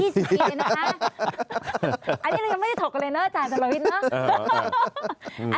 อันนี้ยังไม่ได้ถกเลยเนอะอาจารย์ศาลวิทย์เนอะ